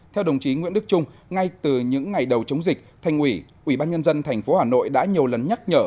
theo đồng chí nguyễn đức trung ngay từ những ngày đầu chống dịch thành ủy ubnd tp hà nội đã nhiều lần nhắc nhở